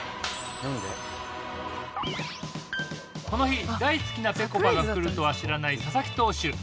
この日大好きなぺこぱが来るとは知らない佐々木投手